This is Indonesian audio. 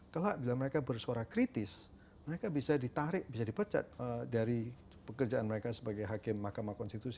kelak bila mereka bersuara kritis mereka bisa ditarik bisa dipecat dari pekerjaan mereka sebagai hakim mahkamah konstitusi